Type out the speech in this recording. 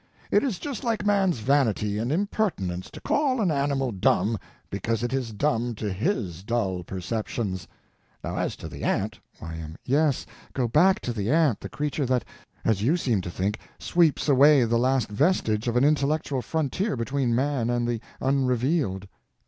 It is just like man's vanity and impertinence to call an animal dumb because it is dumb to his dull perceptions. Now as to the ant— Y.M. Yes, go back to the ant, the creature that—as you seem to think—sweeps away the last vestige of an intellectual frontier between man and the Unrevealed.